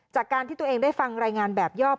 จากการที่ตัวเองได้ฟังรายงานแบบยอบ